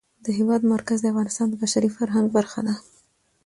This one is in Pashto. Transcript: د هېواد مرکز د افغانستان د بشري فرهنګ برخه ده.